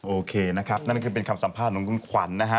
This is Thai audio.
โอเคนะครับนั่นคือเป็นคำสัมภาษณ์ของคุณขวัญนะฮะ